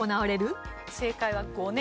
正解は５年。